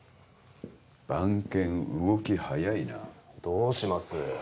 番犬動き早いなどうします？